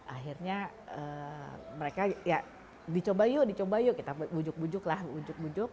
akhirnya mereka ya dicoba yuk dicoba yuk kita bujuk bujuk lah bujuk bujuk